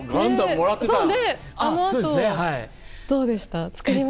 あの後どうでした？